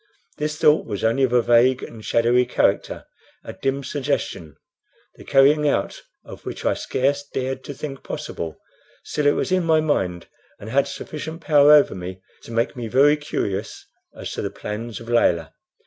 This thought was only of a vague and shadowy character a dim suggestion, the carrying out of which I scarce dared to think possible; still, it was in my mind, and had sufficient power over me to make me very curious as to the plans of Layelah.